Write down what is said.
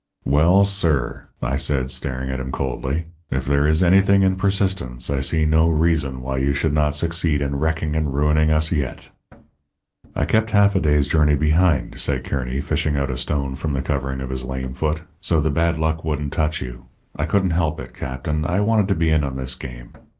"'Well, sir,' I said, staring at him coldly, 'if there is anything in persistence, I see no reason why you should not succeed in wrecking and ruining us yet.' "'I kept half a day's journey behind,' said Kearny, fishing out a stone from the covering of his lame foot, 'so the bad luck wouldn't touch you. I couldn't help it, Captain; I wanted to be in on this game.